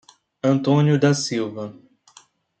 Antônio da Silva